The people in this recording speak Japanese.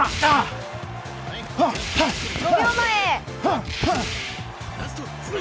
５秒前。